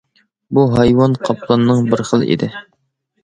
بۇ ھايۋان قاپلاننىڭ بىر خىلى ئىدى.